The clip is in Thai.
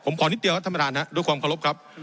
ผมขอนิดเดียวท่านประทานฮะด้วยความสะลบครับ